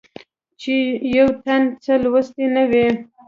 چې يو تن څۀ لوستي نۀ وي